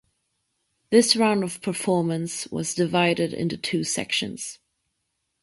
This round of performance was divided into two sections.